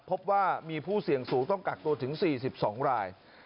พบว่ามีผู้เสี่ยงสูงต้องกักตัวถึง๔๒ราย